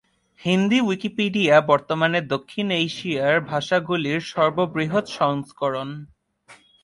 Hindi Wikipedia বর্তমানে দক্ষিণ এশিয়ার ভাষাগুলির সর্ববৃহৎ সংস্করণ।